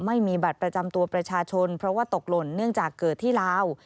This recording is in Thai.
ไม่มีบัตรประจำตัวประชาชนเพราะว่าตกหล่นเนื่องจากเกิดที่ลาว